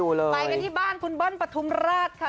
กลายกันที่บ้านคุณเบิ้ลประทุมราชค่ะ